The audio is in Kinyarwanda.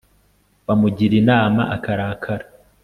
bamugira inama akarakara